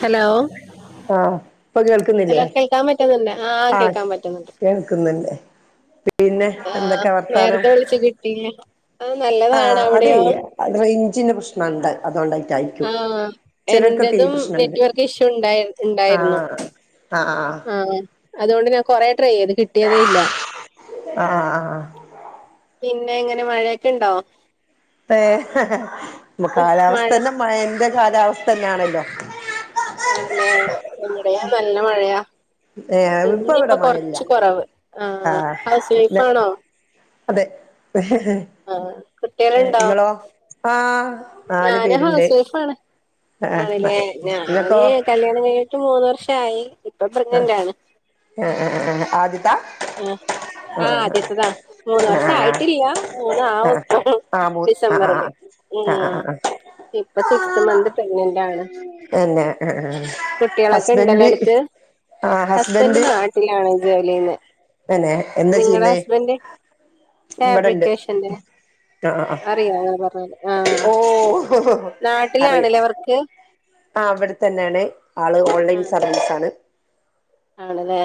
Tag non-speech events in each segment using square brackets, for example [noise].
Hello ആഹ് ഇപ്പൊ കേൾക്കുന്നില്ലേ ഹലോ കേൾക്കാൻ പറ്റുന്നുണ്ട ആഹ് കേൾക്കാൻ പറ്റുന്നുണ്ട് കേൾക്കുന്നുണ്ട് പിന്നെ ആഹ് എന്തൊക്കെ വർത്താനം. നേരത്തെ വിളിച്ച കിട്ടിയില്ല ആഹ് നല്ലതാണ് ആഹ് അതെ അവിടെയോ യ്യേ ആ റേഞ്ചിന്റെ പ്രശ്നുണ്ട് അതോണ്ടറ്റായിരിക്കും. ആഹ് എന്റതും നെറ്റ് വർക്ക് ഇഷ്യൂ ഉണ്ടായി ഉണ്ടായിരുന്നു ആഹ് ആഹ് അതോണ്ട് ഞാൻ കൊറേ ട്രൈ ചെയ്ത് കിട്ടിയതേ ഇല്ല ആഹ് ആഹ് പിന്നെ എങ്ങനെ മഴെക്കെണ്ടോ പേ ഹേ ഹേ ഹേ മഴ കാലാവസ്ഥന്നെ മയെന്റെ കാലാവസ്ഥ ന്നാണല്ലോ. ആണ്ലേ ഇവിടേയും നല്ല മഴയാ ഏഹ് ഇപ്പൊ ഇവിടെ ഇന്നിപ്പോ മഴയില്ല കൊർച്ച് കൊറവ്. ആഹ് ഹൗസ് ആഹ് വൈഫാണോ അതെ ആഹ് കുട്ടികളുണ്ടോ ഇങ്ങളോ ആഹ് നാല് ഞാന് പേരുണ്ട് ഹൗസ് വൈഫാണ്. ആഹ് ആണ്ലേ ഞാന് ഇങ്ങക്കോ കല്യാ ണം കഞ്ഞിട്ട് മൂന്ന് വർഷായി ഇപ്പ ആഹ് പ്രെഗ്നന്റാണ്. ആഹ് ആഹ് ആഹ് ആദ്യത്താ ആഹ് ആഹ് അദ്യത്തതാ മൂന്ന് വർഷം ആഹ് ആയിട്ടില്ല. മൂന്ന് ആഹ് ആവുപ്പൊ ആഹ് മൂ ആഹ് ഡിസംബറില് ആഹ് ആഹ് ആഹ് ആഹ് ഇപ്പ സിക്സ്ത് മന്ത് പ്രഗ്നന്റാണ്. എന്നെ ആഹ് ആഹ് ഉണ്ടല്ലോ ഹസ്ബൻഡ് അടുത്ത് ആഹ് ഹസ്ബൻഡ് നാട്ടിലാണ് ജോലീയ്ന്നേ തന്നെ നിങ്ങടെ ഹസ്ബൻഡ് ഇവിടെണ്ട് ഫാബ്രിക്കേഷന്റെ ആഹ് ആഹ് അറിയോ അ പറഞ്ഞ ആഹ് ഓഹ് അറി നാട്ടിലാണ്ലെ വർക്ക് ആഹ് ഇവ്ട് തന്നേണ് ആള് ഓൺലൈൻ സർവീസാണ്. ആണ്ലേ?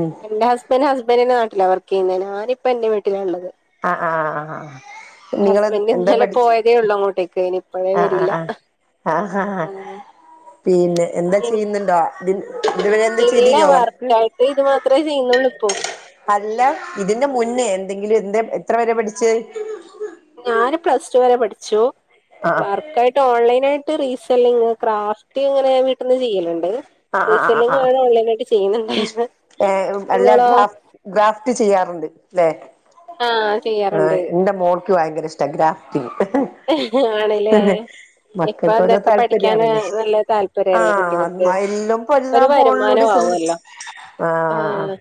ഉം ന്റെ ഹസ്ബൻഡ് ഹസ്ബന്റിന്റെ നാട്ട്ലാ വർക്കെയ്യ്ന്നേ ഞാനിപ്പ ന്റെ വീട്ട്ലാള്ളത്. ആഹ് ആഹ് ഹാ നിങ്ങൾ ഹസ്ബൻഡ് എന്താ ഇന്നലെ പഠിച്ച്? പോയതേ ഉള്ളൂ അങ്ങോട്ടേക്ക് ഇനി ഇപ്പഴേ ആഹ് ആഹ് വരില്ല ആഹ് ആഹ് ആഹ് ആഹ് പിന്നെ എന്താ ഇൻ ചെയ്യ്ന്ന്ണ്ടോ ഇതി ഇതുവരെ എന്താ ഇല്ല ചെയ്തീന്നോ വർക്ക്? ഹോ അല്ല ഇതിന്റെ മുന്നേ എന്തെങ്കിലും എന്തേ എത്രവരെ പഠിച്ചേ? ഞാന് പ്ലസ് ടു വരെ പഠിച്ചു ആ വർ ക്കായിട്ട് ഓലൈനായിട്ട് റീസെല്ലിങ്, ക്രാഫ്റ്റ് ങ്ങനെ വ്ട്ട്ന്ന് ചെയ്യല് ണ്ട്. ആ ആ ആ ആ റീസെല്ലിങ് [unintelligible] ഓൺലൈനായിട്ട് ഇഷ് ചെയ്യ്ന്ന്ണ്ട്. ഏ അല്ല ങ്ങളോ? ഗ്രാഫ് ഗ്രാഫ്റ്റ് ചെയ്യാറുണ്ട് ല്ലെ? ആഹ് ആഹ് ചെയ്യാറുണ്ട് ന്റെ മോ ൾക്ക്‌ ഭയങ്കര ഇസ്റ്റാ ഗ്രാഫി ആണ്ലേ ഇപ്പ മക്കൾക്ക് ഓരോ ന്തൊക്കെ പഠിക്കാന് താല്പര്യാണല്ലേ നല്ല താല്പര്യല്ലേ കുട്ടിക ആ എല്ലാം ഇപ്പോ എല്ലാ ഒര് ഫോണിലൂടെ വരുമാനോം ശ്രമിച്ചു. ആവല്ലോ ആ ആഹ്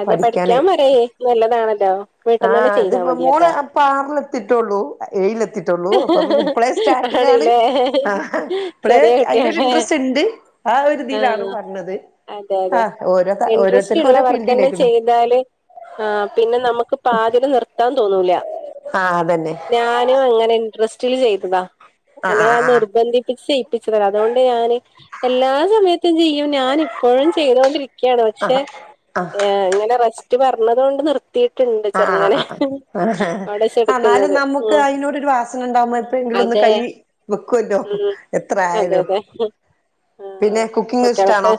അതെ പഠിക്ക്യാ പഠിക്കാന് [unintelligible] നല്ലതാണല്ലോ. വീട്ടിൽന്ന് തന്നെ ആഹ് ചെയ്താ ത്പ്പോ മോളെ മതിയല്ലോ പാമ്പ്ത്തിറ്റൊള്ളൂ. ഏയിലെത്തീറ്റൊള്ളൂ അപ്പം പിന്നെ ഇപ്പളേ സ്റ്റാർട്ടിംങ്ങാണ് ആണല്ലേ ഇപ്പളേ ചെറിയ ഐന്റോരു കുട്ടിയല്ലേ ഇൻട്രസ്റ്റ്ണ്ട്. ആഹ് ഒരുതീലാണ് ആഹ് പർഞ്ഞത്. അതെ അതെ ഇന്ട്രസ്റ്റ്ള്ള വർക്കെന്നെ ഫീൽഡിലേക്ക്ണ് ചെയ്താല് ആഹ് പിന്നെ നമ്മക്ക് പാതില് നിർത്താൻ തോന്നൂല. ആഹ് അതന്നെ ഞാനും അങ്ങനെ ഇൻറ്രസ്റ്റില് ചെയ്തതാ ആഹ് എന്നോട ആഹ് ആഹ് നിർബന്ധിപ്പിച്ച് ചെ ച്ച് തരാ അതുകൊണ്ട് ഞാന് എല്ലാ സമയത്തും ചെയ്യും ഞാൻ ഇപ്പഴും ചെയ്തൊണ്ടിരി ക്ക്യാണ് പക്ഷെ ആഹ് ആഹ് ഏഹ് ഇങ്ങനെ റസ്റ്റ് പർഞ്ഞതോണ്ട് നിർ ത്തീറ്റ്ണ്ട് ആഹ് ചെർങ്ങനെ ആഹ് പടഷട്ക്ക്ന്നത്. ഐനോടൊരു വാസന ണ്ടാവുമ്പോ എപ്പയങ്കിലൊന്ന് അതെ കൈ വെക്കുവല്ലോ ഉം എത്ര അതെ ആയാലും. അതെ ആഹ് പിന്നെ കുക്കിങ്ങ് ഇഷ്ടാണോ?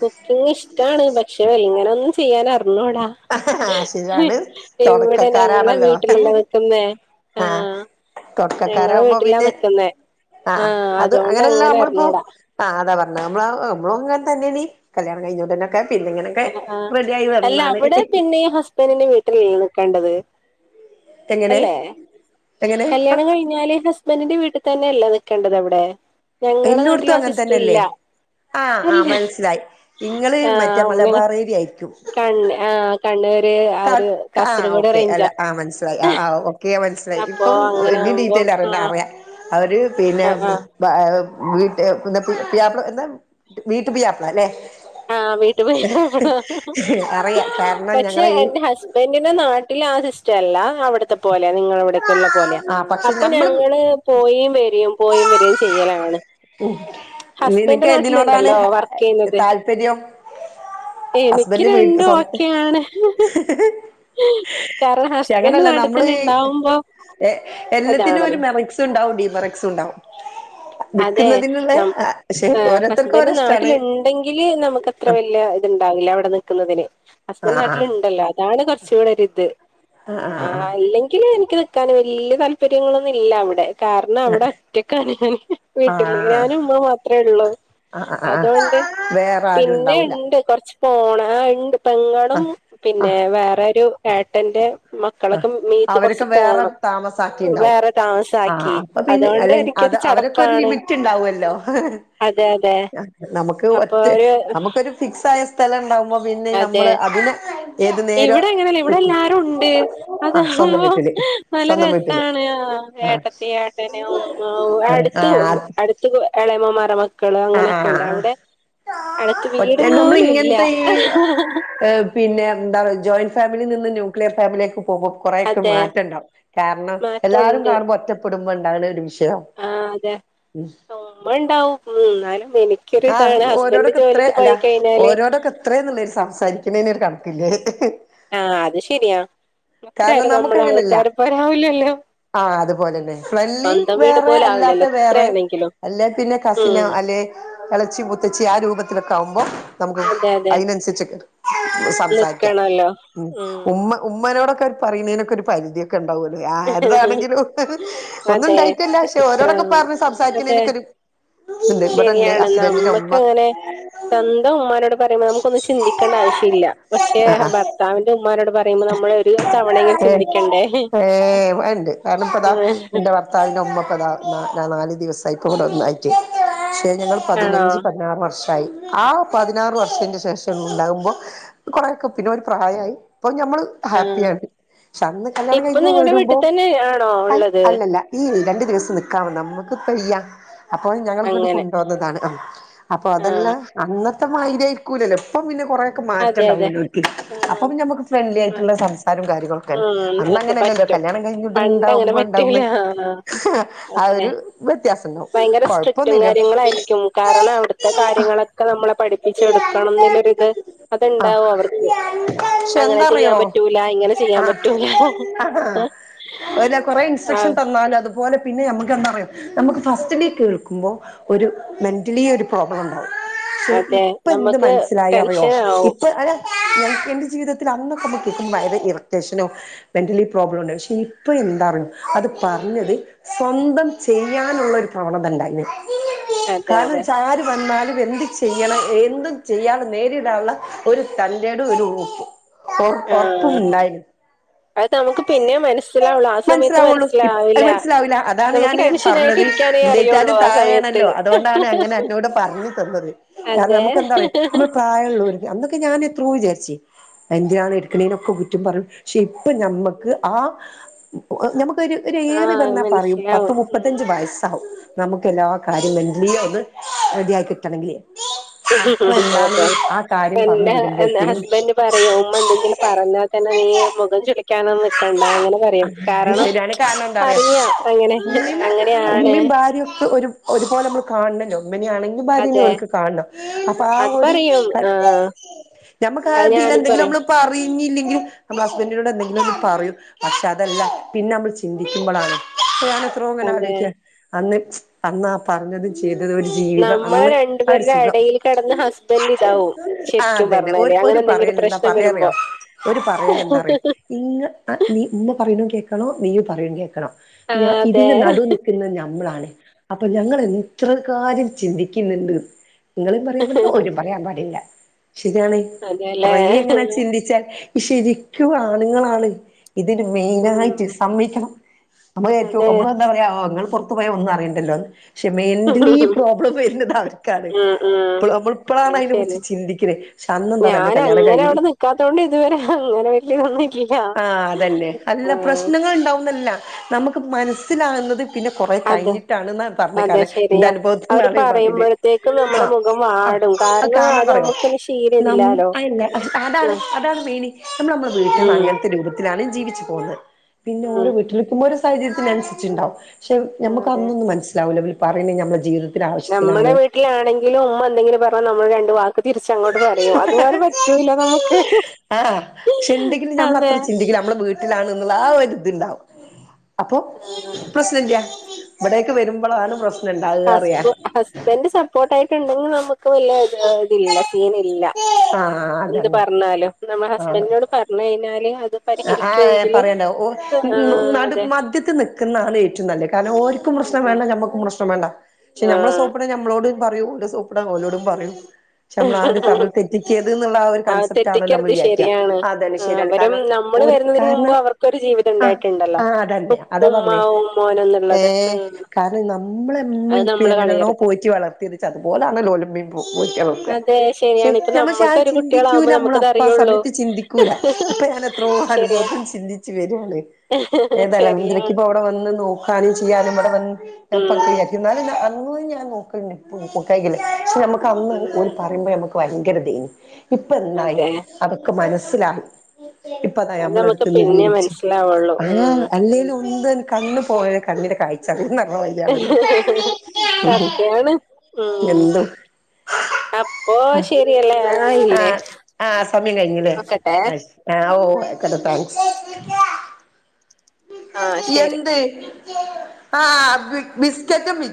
കുക്കിങ്ങ് ഇഷ്ടാണ്. പക്ഷെ അങ്ങനെ ഒന്നും ചെയ്യാൻ അർഞ്ഞൂടാ. ആഹ് ശരിയാണ് ഇവ്ടെ ഞങ്ങളെ തൊടക്കക്കാരാണല്ലോ വീട്ട്ലല്ലേ നിക്കുന്നേ ആഹ്. ഞങ്ങളെ തൊടക്കക്കാരാവുമ്പോ വീട്ടിലാ പിന്നെ നിക്ക്ന്നേ ആഹ് അത് അതുകൊണ്ട് അങ്ങനെയല്ല നമ്മളിപ്പോ അങ്ങനർഞ്ഞൂടാ. ആഹ് അതാ പർഞ്ഞെ നമ്മളാ മ്മളും അങ്ങൻ തന്നെണീ കല്യാണം കഴിഞ്ഞോണ്ടന്നെ ക്ക പിന്നെ ഇങ്ങനെക്കെ ആഹ് ആഹ് റെഡിയായി അല്ല വന്നാണ്. അവിടെ പിന്നെ ഹസ്ബൻറിന്റെ വീട്ട്ൽ ല്ലെ നിക്കേണ്ടത്? എങ്ങനെ അല്ലെ? എങ്ങനെ കല്യാണം കഴിഞ്ഞാല് ഹസ്ബൻഡിന്റെ വീട്ട് തന്നെയല്ലെ നിക്കേണ്ടത് അവ്ടെ? എല്ലോട്ത്തും അങ്ങൻ തന്നല്ലേ ആഹ് അല്ല ആഹ് മൻസ്സിലായി ഇങ്ങള് മറ്റേ [unintelligible] പറയുകായ്രിക്കും അന്നെ ആഹ് കണ്ണൂര് ആ ക ഒരു ആഹ് കാസർഗോഡ് ഓക്കെ അല്ല റേഞ്ചാ ആഹ് മൻസ്സിലായി ആഹ് ആഹ് ഓക്കെ മൻസ് സ്സിലായി അപ്പൊ ഇപ്പം അങ്ങനെ ഇനി ആവുമ്പം ഡീറ്റെയ്ല് അറിയണ്ട ആഹ് അറിയാം അവര് പിന്നെ ആഹ് ആഹ് ഭാ വീട്ട് എന്താ പ് പുയ്യാപ്പളാ എന്താ വീട്ട് പുയ്യാപ്പളാ ല്ലേ? ആഹ് വീട്ട് പുയ്യാപ്പളാ അറിയാം കാരണം പക്ഷെ ഞങ്ങളെ എ ഈ ൻ്റെ ഹസ്ബൻറിൻ്റെ നാട്ടില് ആഹ് സിസ്റ്റല്ല അവ്ട് ത്തെ പോലെ നിങ്ങളവിടക്കെല്ല പോകല് ആ പക്ഷെ അപ്പ ഞമ്മള് ഞങ്ങള് പോയിം വരെയും പോയീം വരെയും ചെയ്യലാണ്. ഉം ഹസ്ബൻഡ് നിനക്ക് ഏതിനോടാണ് നാട്ടിലുണ്ടല്ലോ വർക്ക് ചെയ്യുന്നത് താല്പര്യം? എനിക്ക് ഹസ്ബൻ്റ് വീട്ട് രണ്ടും സ്വ ഓക്കെയാണ് കാരണം ക്ഷെ ഹസ്ബൻഡ് അങ്ങനെല്ല നാട്ടിൽ നമ്മള് തന്നെ ഉണ്ടാവുമ്പോ ഏഹ് എല്ലത്തിനും ഒരു ഇതാണല്ലോ മെറക്സ് ഉണ്ടാവും ഡീമെറക്സ് ഉണ്ടാവും. അതെ വിക്കുന്നതിനുള്ള നം പക്ഷെ ഏഹ് ഓരോരുത്തർക്കും ഹസ്ബൻ്റ് ഓരോ ഇഷ്ടാണ് നാട്ടിലു ണ്ടെങ്കില് നമുക്ക് അത്ര വലിയ ഇത്ണ്ടാവില്ല അവിടെ നിക്കുന്നതിന്. ആ ഹസ്ബൻറ് നാട്ടിൽ ഉണ്ടല്ലോ. ഇതാണ് കുറച്ചും കൂടെ ഒരിത്. ആ ആ ആഹ് ആ അല്ലെ ങ്കിൽ എനിക്ക് നിക്കാൻ വല്യ താല്പര്യങ്ങളൊന്നും ഇല്ല അവിടെ. കാരണം ആ അവിടെ ഒറ്റക്കാണ് ഞാന്. ആ വീട്ടില് ഞാനും ഉമ്മയും മാത്രേ ഉള്ളൂ. ആ ആ ആ അതുകൊണ്ട് വേറെ ആരും പിന്നെ ഇ ഉണ്ടാവൂല ണ്ട്. കൊറച്ച് പോണ ആഹ് ഉണ്ട്. പെങ്ങളും ആ ആ പിന്നെ വേറൊരു ഏട്ടന്റെ മക്കളൊക്കെ മീത്ത് അവരൊക്കെ കുറച്ച് വേറെ പോണം. താമസാക്കിണ്ടാവും വേറെ ആ താമസാക്കി. അപ്പൊ പിന്നെ അതുകൊണ്ട് അല്ല എനിക്കൊരു അത് ചടപ്പ് അവരൊക്കെ ഒരു ലിമിറ്റ് ഉണ്ടാവല്ലോ. അതെ അതെ നമുക്ക് അപ്പൊ ഒറ്റ ഒരു നമുക്കൊരു ഫിക്സ് ആയ സ്ഥലം ഉണ്ടാവുമ്പോ പിന്നെ അതെ ഞമ്മള് അതിന് ഏത് നേരം ഇവിടെ അങ്ങനെയല്ല ഇവിടെ വെക്കും എല്ലാരും ഉണ്ട്. ആ സ്വന്തം അതാകുമ്പോ വീട്ടില് നല്ല സ്വന്തം വീട്ടില് രസാണ്. ആഹ് ആ ഏട്ടത്തി, ഏട്ടന്, ഉമ്മ ഇവടെ അടു ആ ത്ത് അടുത്ത് എളയമ്മമാരുടെ മക്കള് ആ അങ്ങനെയൊക്കെണ്ട്. ആ അവിടെ അടുത്ത് ഒറ്റ വീട് നമ്മൾ പോലും ഇല്ല. ഇങ്ങനത്തെ ഈ പിന്നെ എന്താ ജോയിന്റ് ഫാമിലിയിൽ നിന്ന് ന്യൂക്ലിയർ ഫാമിലിയിലേക്ക് പോകും. കുറെയൊക്കെ അതെ മാറ്റം ഉണ്ടാവും. കാരണം എല്ലാവരും മാറ്റമുണ്ട് കാണുമ്പോ ഒറ്റപ്പെടുമ്പോഴുണ്ടാവണ ഒരു വിഷയം. ആഹ് അതെ. ഉമ്മ ഉണ്ടാവും. എന്നാലും എനി ആ ക്കൊരിതാണ് ഹസ്ബൻ്റ് ജോലിക്ക് പോയി കഴിഞ്ഞാല് എത്രേന്നുള്ള സംസാരിക്കണേന് ഒരു കണക്കില്ലേ. ആഹ് അത് ശരിയാ. കാരണം എത്രായാലും നമുക്ക് നമ്മളെ അങ്ങനല്ല ആൾക്കാരെപ്പോലാവൂലല്ലോ. ആഹ് അതുപോലെ തന്നെ. ഫ്രണ്ട്ലി വേറെ പോലെ അല്ലാത്ത ആവില്ലല്ലോ വേറെ എത്രയാണെങ്കിലും അല്ലെ പിന്നെ ഉം കസിനോ അല്ലെ ഇളച്ചി മുത്തച്ചി ആ രൂപത്തിലൊക്കെ ആകുമ്പോ നമുക്ക് അതെ അതെ അതിനനുസരിച്ചൊക്കെ സംസാരിക്കാം. നിക്കണല്ലോ ഉം ഉമ്മ ഉമ്മനോടൊക്കെ പറയണേനൊക്കെ ഒരു പരിധി ഒക്കെണ്ടാവൂലോ. ആരതാണെങ്കിലും ഒന്നും അതെ ഉണ്ടായിട്ടല്ല. പക്ഷെ എത്ര ഓരോടൊക്കെ പറഞ്ഞ് അതെ സംസാരിക്കണേനൊക്കൊരു എനിക്കൊരു ശരിയാണ്. നമ്മക്ക് ഉമ്മ അങ്ങനെ സ്വന്തം ഉമ്മാനോട് പറയുമ്പോ നമുക്കൊന്നും ചിന്തിക്കേണ്ട ആവശ്യമില്ല. പക്ഷേ ആഹ് ആഹ് ഭർത്താവി ഉമ്മാനോട് പറയുമ്പോ നമ്മള് ഒരു തവണയെങ്കിലും ചിന്തിക്കണ്ടേ. ഏഹ് ഇവടെണ്ട്. കാരണം ഇപ്പോ ദാ ആഹ് എന്റെ ഭർത്താവിൻ്റെ ഉമ്മ ഇപ്പ നാല് ദിവസായി ഇപ്പോ ഇവിടെ ഒന്നായി [unintelligible] ഞങ്ങൾ ആണോ പതിനഞ്ച് പതിനാറ് വർഷമായി ആ പതിനാറ് വർഷന്റെ ശേഷോള്ള് ഉണ്ടാകുമ്പോ കൊറെയൊക്കെ പിന്നെ ഒരു പ്രായമായി ഇപ്പൊ ഞമ്മള് ആഹ് ഹാപ്പിയാണ് ക്ഷെ അന്ന് കല്യാണം ഇപ്പൊ കഴിഞ്ഞ് നിങ്ങളുടെ വരുമ്പോ വീട്ടിൽ തന്നെ ആണോ അ ഉള്ളത് അല്ലല്ല ഈ രണ്ട് ദിവസം നിൽക്കാമെന്ന നമുക്ക്പ്പ യങ് അപ്പോ ഞങ്ങൾങ്ങ്ട്ട് അങ്ങനെ കൊണ്ടോ ന്നതാണ് അം അപ്പൊ അതെല്ല ആഹ് അന്നത്ത മായിരിയായിരിക്കൂലല്ലോ ഇപ്പ പിന്നെ കൊറേ ക്ക് അതെ അതെ മാറ്റണ്ടാവൂലോർക്ക് ആഹ് അപ്പ ഞമ്മക്ക് ഫ്രണ്ട്ലി ആഹ് ആയിട്ടുള്ള സംസ കാര്യങ്ങളൊക്ക ഉം ഒക്കെ അന്നങ്ങനെയല്ലല്ലോ പറ്റും കല്യാണം പണ്ട് അങ്ങനെ കഴിഞ്ഞട്ടണ്ടാവുമ്പോ ഉണ്ടാവുന്ന പറ്റൂല ആഹ് ആ അതെ ഒരു വ്യത്യാസം ഉണ്ടാവും ഭയങ്കര സ്ട്രിക്റ്റും കൊഴപ്പൊന്നുമില്ല കാര്യങ്ങളായിരിക്കും കാരണം അവിടുത്തെ കാര്യങ്ങളൊക്കെ ക്കെ നമ്മളെ പഠിപ്പിച്ചു എടുക്കാണുന്നൊള്ളൊരിത് അത് ആ ഉണ്ടാവും അവർക്ക്. അങ്ങനെ ചെയ്യാൻ പ റ്റൂല്ല. ഇങ്ങനെ ചെയ്യാൻ ആഹ് പറ്റൂല ഹ ഹ അല്ല കൊറെ ഇൻസ്ട്രക്ഷൻ ആഹ് തന്നു. ല അതുപോല പിന്നെ നമുക്ക് എന്താ പറയാ നമുക്ക് ഫസ്റ്റ് ലി കേൾക്കുമ്പോ ഒരു മെൻ്റലി ഒരു പ്രോബ്ലം ഉണ്ടാവും ശെ അതെ ഇപ്പ എന്ത് നമുക്ക് മനസ്സിലായോ അറിയോ ടെൻഷൻ ആവും ഇപ്പൊ അത ഞങ്ങക്ക് എന്റെ ജീവിതത്തില് അന്നൊക്കെ [inaudible] വയറ് ഇറിറ്റേഷനോ മെന്റലി പ്രോബ്ലോണ്ട് ക്ഷെ ഇപ്പൊ എന്താറിയോ അത് പറഞ്ഞത് സ്വന്തം ചെയ്യാനുള്ള ഒരു പ്രവണത ഉണ്ടായെന് അതെ കാരണം അതെ വെച്ചാ ആരും വന്നാലും എന്ത് ചെയ്യണം എന്തും ചെയ്യാത നേരിടാനുള്ള ഒരു തന്റെടും ഒരു ഉറപ്പ് ഒറപ് ആഹ് ഒറപ്പുണ്ടായി അത് നമുക്ക് പിന്നെ മനസ്സിലാവുള്ളു ആ സമയത്ത് മനസിലാവൊള്ളൂ ഇപ അത് മനസ്സിലാവില്ല മനസ്സിലാവില്ല അതാണ് നമുക്ക് ഞാന് ടെൻഷൻ ആയിട്ട് പറഞ്ഞത് ഇരിക്കാനേ അറിയുള്ളൂ എന്റെറ്റാലും ആ സമയത്ത് തായെയാണല്ലോ അതുകൊണ്ടാണ് അങ്ങനെ അന്നോട് പറഞ്ഞ് തന്നത് കാരണം അതെ നമുക്കെന്താറിയോ നമ്മൾ പ്രായോള്ളോര് അന്നൊക്കെ ഞാന് എത്രോ വിചാരിച്ച് എന്റ്യാണ് എടുക്കുന്നെനൊക്കെ കുറ്റം പറയും ക്ഷെ ഇപ്പൊ ഞമ്മക്ക് ആ ഞമുക്കൊരു ര് ഏറി ആഹ് വന്നാ പറയും പത്തു മനസ്സിലാവും മുപ്പത്തഞ്ച്‌ ഉം. വയസ്സാവും നമുക്കെല്ലാ കാര്യം മെന്റ്ലിയോന്ന് റെഡി ആയി കിട്ടണെങ്കില് അപ്പൊ എന്താണ് അതെ ആ കാര്യം പറഞ്ഞു എന്റെ വരുമ്പോഴ്ത്ത്നും ഹസ്ബൻഡ് പറയും ഉമ്മ എന്തെങ്കിലും പറഞ്ഞാൽ തന്ന നീ മുഖം ചുളിക്കാനൊന്നും നിക്കണ്ട അങ്ങന പറ ശരിയാണ് കാരണന്താറിയോ അങ്ങനെ ഉമ്മിമ് അങ്ങനെയാണ് ഉമ്മീ ഭാര്യയോക്കെ ഒര് ഒരുപോല നമ്മള് കാണ്ണ്ണല്ലോ ഉമ്മെന്നെയാണെ [unintelligible] അതെ ഒര്ക്ക് കാണ്ണം അപ്പൊ ആ അത് ഒരു പറയും ക ആഹ് ഞമ്മക്ക് അത് ആതില് ഞാനും എന്തെങ്കിലും പറയും നമ്മള് പറിഞ്ഞില്ലെങ്കിൽ നമ്മള് ഹസ്ബന്റിനോട് ദേ ലും പറയും പക്ഷെ അതല്ല പിന്നെമ്മൾ ചിന്തിക്കുമ്പളാണ് ഒ ഞാൻ എത്രോ ഇങ്ങന അതെ ആലോയിക്കുവാ അന്ന് അന്നാ പറഞ്ഞതും ചെയ്തതു ജീവിതം നമ്മളെ അന്ന് ആ ഒര് രണ്ടുപേരുടെ സുഖം എടയിൽ കിടന്ന് ഹസ്ബൻഡ് ഇതാവും ആ ശരിക്കും അതന്നെ ഒരു പറഞ്ഞാല് ഒരു അങ്ങനെ എന്തെങ്കിലും പറയലെന്താ പ്രശ്നം പറയാറിയൊ വരുമ്പോ ഓര് പറയലെന്താറിയൊ ഇങ്ങ് അ നീ ഉമ്മ പറയണ് കേക്കണോ നീയ് പറയണ് കേക്കണോ ആ ഞാ അതെ ഇതിന് നടുനി ക്കുന്ന ഞമ്മളാണ് അപ്പൊ ഞങ്ങള് എത്ര കാര്യം ചിന്തിക്ക്ന്ന്ണ്ട് നിങ്ങളേം പറയാ പറ്റില്ല ഓരേം പറയാ പാടില്ല ശരിയാണേ അതെല്ലേ കുറെ ഇങ്ങനെ ചിന്തിച്ചാൽ ശരിക്കും ആണുങ്ങളാണ് ഇതിന് ഉം മെയിനായിട്ട് സമ്മെയ്ക്കണം നമ്മളേറ്റു അതെ നമ്മള് എന്താ പറയാ ങ്ങള് പൊറത്ത് പോയ ഒന്നും അറിയണ്ടല്ലോന്ന് പക്ഷെ മെന്റ്ലി പ്രോബ്ലം വരുന്നത് അവർക്കാണ് ഉം ഉം ഇപ്പള് നമ്മൾ ഇപ്പളാണ് അത് അയിന കുറിച്ച് ശരി ചിന്തിക്ക്ണെ ശ അന്ന്ന്താറിയോ നമ്മള് കല്യാണം കഴിഞ്ഞ് കാത്തോണ്ട് ഇതുവരെ അങ്ങനെ [unintelligible] ആ അതന്നെ അല്ല ആ പ്രശ്നങ്ങള് ഇണ്ടാവുന്നല്ല നമക്ക് മനസ്സിലാക്ന്നത് പിന്നെ കൊറേ അതെ കഴിഞ്ഞിട്ടാണ്ന്ന അതെ പറഞ്ഞെകാരം എന്റ ശരിയാ അവര് അനുഭവത്ത്ന്നാണ് ഈ പറെണെ പറയുമ്പോഴത്തേക്കും ആ നമ്മുടെ മുഖം അ വാടും അ കാരണം അത് കാരണന്താറിയോ നമുക്കന്നെ നമ്മ് ശീലമില്ലാലോ അയില്ലെ ആ അതാണ് അതാണ് മെയിന് നമ്മള് നമ്മള വീട്ടിന്ന് ഉം അങ്ങ നത്ത രൂപത്തിലാണ് ജീവിച്ച് പോന്നത് പിന്ന ഉം ഓരോവീട്ടിലും പിന്നോര് സാഹചര്യത്തിനനുസിച്ച്ണ്ടാവും ക്ഷം അതെ ഞമ്മക്കന്നൊന്നും മനസ്സിലാവൂല്ല ഇവര് പറയുന്നണെ ഞമ്മടെ ജീവിതത്തെ നമ്മടെ വീട്ടിലാണെങ്കിലും ഉമ്മ എന്തെങ്കിലും പറഞ്ഞാ നമ്മള് രണ്ട് വാക്ക് പുതിര്ച്ചങ്ങോട്ട് പറയും അതുപോലെ പറ്റൂല നമക്ക് ഹ് ആ ചിന്തിക്കണം നമ്മള് അത്ര ചിന്തിക്കില്ല നമ്മടെ വീട്ട ലാണ് എന്നുള്ള ആ ഒരു ഇത് ഉണ്ടാവും അപ്പൊ ആഹ് പ്രശ്നല്ല്യ ഇവിടേക്ക് വരുമ്പോളാണ് പ്രശ്നം ഉണ്ടാവാ അറിയാ ന്റെ സപ്പോർട്ട് ആയിട്ടുണ്ടെങ്കിൽ നമുക്ക് വല്ല്യ ഇതില്ല സീനല്ല ആഹ് എന്ത് അതന്നെ പറഞ്ഞാലും നമ്മുടെ ഹസ്ബൻന്റി നോട് പറഞ്ഞു കഴിഞ്ഞാല് അത് ആ പരിഹരിക്കുമെങ്കില് പറയണ്ടാവും ഓ ആഹ് നട് അതെ മദ്യത്തി നി ക്കുന്ന ആണ് ഏറ്റവും നല്ല കാരണം ഓർക്കും പ്രശ്നം അതെ വേണ്ട നമ്മക്കും പ്രശ്നം വേണ്ട പക്ഷെ നമ്മളെ ആഹ് സോപ്പിടാൻ നമ്മളോട് പറയൂ ഓളെ സോപ്പ്ടാൻ ഓലോടും പറയും ക്ഷെ നമ്മളാര് തമ്മിൽ തെറ്റിക്കരിത് ന്നുള്ള ആ ഒരു ആഹ് കൺസെപ്റ്റ് ആണല്ലോ മ്മള് തെറ്റിക്കരുത് വിചാരിക്ക ശരിയാണ് അതന്നെ ആഹ് ശരിയാണ് അവരും കാരണം നമ്മള് വരുന്നതിന് മുമ്പ് കാരണം അവർക്കൊരു ജീവിതം ആ ഉണ്ടായിട്ടുണ്ടല്ലോ ആ അതന്നെ അതാ പറഞ്ഞെ ഉമ്മാവും മോനും ഏ എന്നുള്ളത് ഉം കാരണം നമ്മളെ എമ്മ അത് ഇപ്പ നമ്മള് എങ്ങനേണോ കളയരുത് പോറ്റി വളർത്തിയിരിച്ച അതുപോലാണോലമ്മീം പോറ്റിവളർ ശാ അതെ ശരിയാണ് ഇപ്പൊ നമ്മ നമ്മക്കൊരു ചിന്തിക്കൂല കുട്ടികളാവുമ്പോ നമ്മള നമുക്കത് അപ്പ ആ അറിയുള്ളൂ സമയത്ത് ചിന്തിക്കൂല ഇപ്പ ഞ എത്രോ ശരിയാ അനുഭവത്തി ചിന്തിച്ചു വരാണ് ഏ ശരിയാ തലവതിരക്ക്പ്പോ അവിടെ വന്ന് നോക്കാനും ചെയ്യാനും ഇവിടെ ഉം വന്ന് എന്നാല അന്ന് ഞാൻ നോക്കല് പക്ഷെ നമുക്ക് അന്ന് ഉം ഓര് പറയുമ്പോ നമുക്ക് ഭയങ്കര ഇത് ഇപ്പം എന്തായി അതെ അവർക്ക് മനസ്സിലായി ഇപ്പതാ അത് നമ്മള് നമുക്ക് പിന്നെ അടുത്ത് മനസ്സിലാവുള്ളൂ ഉം അല്ലേലും ഒ കണ്ണ് പോയ കണ്ണിന്റെ കാഴ്ചങ്ങ് പോകും യാണല്ലോ സത്യാണ് ഉം എന്തും അപ്പൊ ശരിയല്ലേ ആ ആയില്ലേ ആ സമയം കഴിഞ്ഞല്ലേ നോക്കട്ടെ അത് ശരി ആ ഓക്കേ താങ്ക്സ് ആഹ് ശരി എന്ത് ആ ബിസ്കറ്റ്